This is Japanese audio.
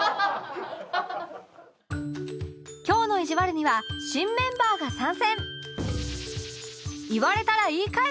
今日のいじわるには新メンバーが参戦